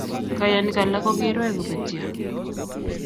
Kayanik alak kokirwai kobetio